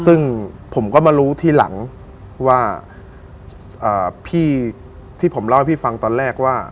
ซึ่งผมก็มารู้ทีหลังว่าพี่ที่ผมเล่าให้พี่ฟังตอนแรกว่า